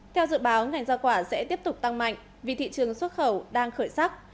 theo dự báo ngành giao quả sẽ tiếp tục tăng mạnh vì thị trường xuất khẩu đang khởi sắc